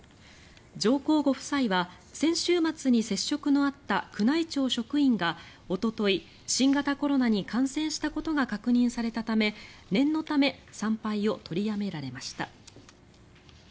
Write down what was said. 上皇ご夫妻は先週末に接触のあった宮内庁職員がおととい新型コロナに感染したことが確認されたため念のため参拝を取りやめられました。